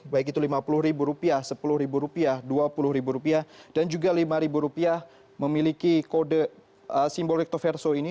baik itu lima puluh ribu rupiah sepuluh ribu rupiah dua puluh ribu rupiah dan juga lima ribu rupiah memiliki kode simbol recto verso ini